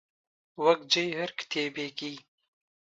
وەک جێی هەر کتێبێکی